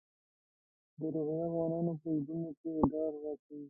د روهیله افغانانو په زړونو کې ډار واچوي.